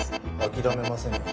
諦めませんよ。